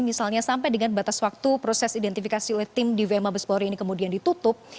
misalnya sampai dengan batas waktu proses identifikasi oleh tim di v mabespori ini kemudian ditutup